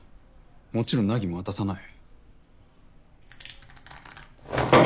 もちろん凪も渡さない。